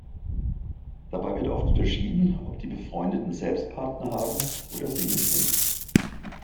Dabei wird oft unterschieden, ob die Befreundeten selbst Partner haben oder Single sind.